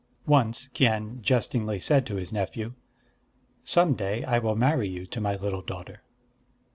Once Kien jestingly said to his nephew: "Some day I will marry you to my little daughter."